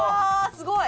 すごい。